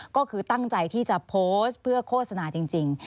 ก็คือตั้งใจที่จะโพสต์เพื่อโฆษณาจริง